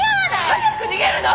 早く逃げるの！